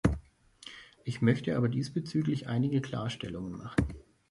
Ich möchte aber diesbezüglich einige Klarstellungen machen.